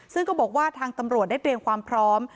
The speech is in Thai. ซึ่งก็บอกว่าทางตำรวจได้เตรียมความพร้อม